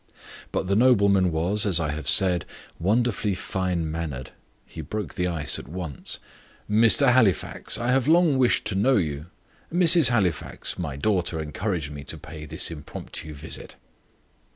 But the nobleman was, as I have said, wonderfully fine mannered. He broke the ice at once. "Mr. Halifax, I have long wished to know you. Mrs. Halifax, my daughter encouraged me to pay this impromptu visit."